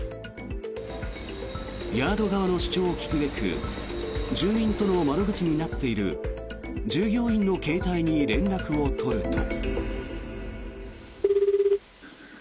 ヤード側の主張を聞くべく住民との窓口になっている従業員の携帯に連絡を取ると。